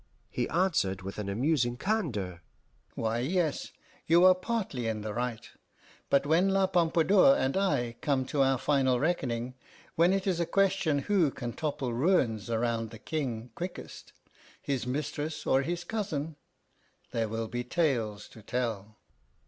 He answered with an amusing candour: "Why, yes, you are partly in the right. But when La Pompadour and I come to our final reckoning, when it is a question who can topple ruins round the King quickest, his mistress or his 'cousin,' there will be tales to tell."